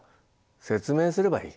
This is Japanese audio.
説明すればいい。